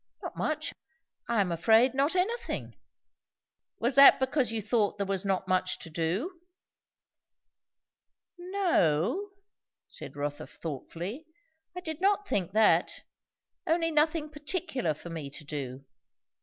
Not much. I am afraid, not anything." "Was that because you thought there was not much to do?" "N o," said Rotha thoughtfully; "I did not think that. Only nothing particular for me to do."